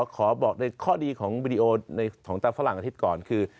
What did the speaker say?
ขอบอกในข้อดีของวิดีโอของตาฝรั่งอาทิตย์ก่อนคือ